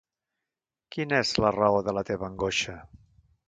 Quina és la raó de la teva angoixa?